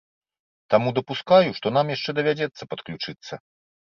Таму дапускаю, што нам яшчэ давядзецца падключыцца.